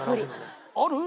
ある？